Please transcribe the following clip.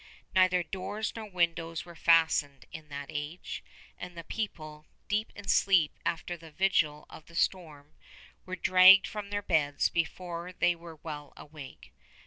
Neither doors nor windows were fastened in that age, and the people, deep in sleep after the vigil of the storm, were dragged from their beds before they were well awake.